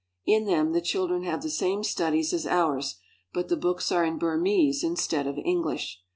In them the children have the same studies as ours, but the books are in Burmese instead of English.